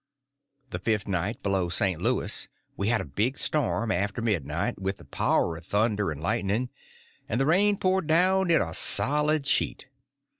The fifth night below St. Louis we had a big storm after midnight, with a power of thunder and lightning, and the rain poured down in a solid sheet.